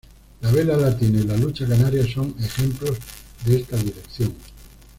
La vela latina y la lucha canaria son ejemplos de esta dirección.